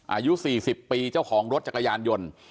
อายุ๔๐ปีเจ้าของรถจักรยานยนต์